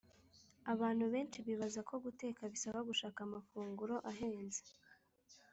abantu benshi bibazako guteka bisaba gushaka amafunguro ahenze,